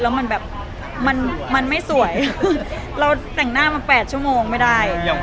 แล้วมันแบบมันไม่สวยเราแต่งหน้ามา๘ชั่วโมงไม่ได้